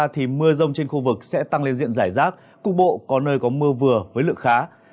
thì mưa rông trên khu vực sẽ tăng lên diện giải rác cục bộ có nơi có mưa vừa với lượng khá